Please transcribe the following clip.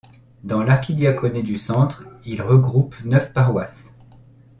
Dans l'archidiaconé du centre il regroupe neuf paroisses.